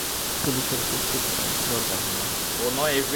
পুলিশের উপস্থিতিতে দরজা ভাঙা হয়।